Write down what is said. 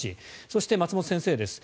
そして、松本先生です。